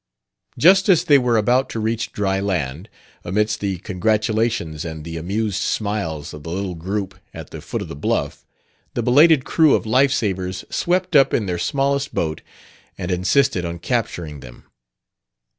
Just as they were about to reach dry land, amidst the congratulations and the amused smiles of the little group at the foot of the bluff, the belated crew of life savers swept up in their smallest boat and insisted on capturing them.